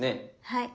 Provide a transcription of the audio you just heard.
はい。